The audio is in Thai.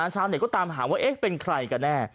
ชาวเน็ตก็ตามหาว่าเอ๊ะเป็นใครกันแน่